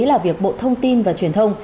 là việc bộ thông tin và truyền thông